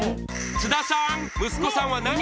津田さん